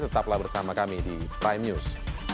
tetaplah bersama kami di prime news